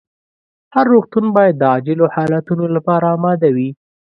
هر روغتون باید د عاجلو حالتونو لپاره اماده وي.